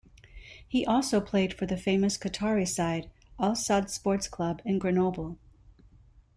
He also played for the famous Qatari side, Al-Sadd Sports Club and Grenoble.